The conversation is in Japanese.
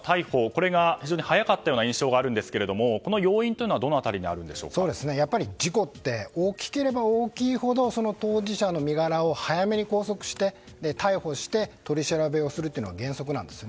これが非常に早かった印象があるんですがこの要因はやっぱり事故って大きければ大きいほど当事者の身柄を早めに拘束して、逮捕して取り調べをするのが原則なんです。